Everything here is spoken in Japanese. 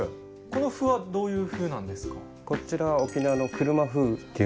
この麩はどういう麩なんですか？